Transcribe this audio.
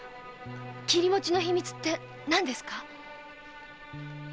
切餅の秘密って何ですか？